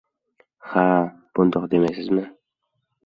— Ha-a-a! Bundoq demaysizmi?